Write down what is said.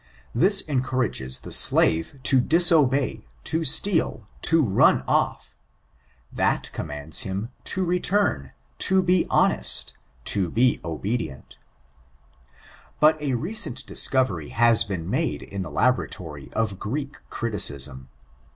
This encourages the slave to disobey, to steal, to run off; that commands him to return, to be honest, to be obedient But a recent discovery has been made in the laboratory of Greek criticism.